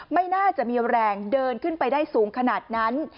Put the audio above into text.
ไม่น่าจะมีแรงเดินขึ้นไปได้สูงขนาดนั้น